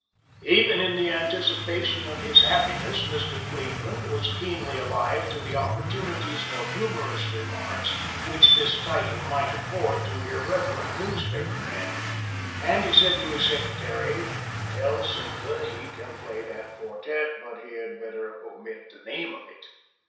Even in the anticipation of his happiness Mr. Cleveland was keenly alive to the opportunities for humorous remarks which this title might afford to irreverent newspaper men; and he said to his secretary: "Tell Sousa he can play that quartet, but he had better omit the name of it."